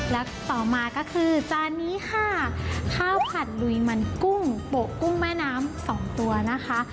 และต่อมาก็คือจานนี้ค่ะข้าวผัดลุยมันกุ้งโปะกุ้งแม่น้ำสองตัวนะคะ